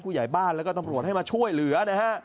ผู้ใหญ่บ้านแล้วก็ตำรวจให้มาช่วยเหลือนะฮะ